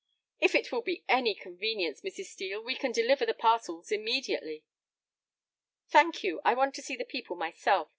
"If it will be any convenience, Mrs. Steel, we can deliver the parcels immediately." "Thank you, I want to see the people myself.